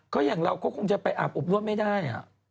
ก็อย่างเราก็คงจะไปอาบอบนวดไม่ได้